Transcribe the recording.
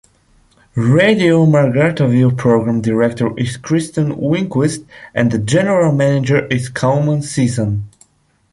Radio Margaritaville's program director is Kirsten Winquist and the General Manager is Coleman Sisson.